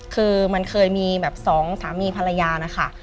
คือมันเคยมีแบบสองสามีภรรยานะคะ